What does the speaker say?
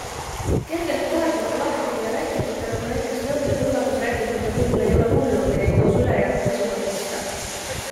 Kergelt määrdunud lappide ja rätikute, nagu näiteks nõude kuivatusrätikute, puhul ei ole hullu, kui neid koos ülejäänud pesuga pesta.